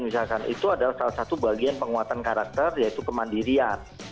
misalkan itu adalah salah satu bagian penguatan karakter yaitu kemandirian